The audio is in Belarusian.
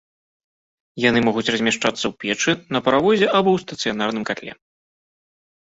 Яны могуць размяшчацца ў печы, на паравозе або ў стацыянарным катле.